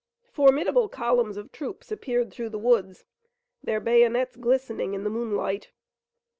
Formidable columns of troops appeared through the woods, their bayonets glistening in the moonlight.